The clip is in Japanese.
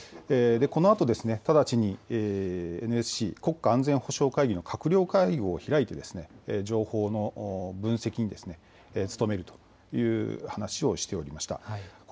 このあと直ちにＮＳＣ・国家安全保障会議の閣僚会合を開いて情報の分析に努めるという話をしておりました。